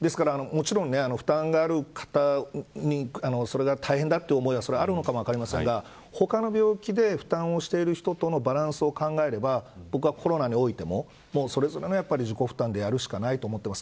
負担がある方にそれは大変だという思いがあるかもしれませんが他の病気で負担してる人とのバランスを考えればコロナにおいてもそれぞれの自己負担でやるしかないと思います。